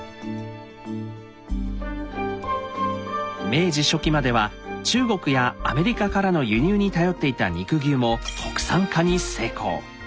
明治初期までは中国やアメリカからの輸入に頼っていた肉牛も国産化に成功。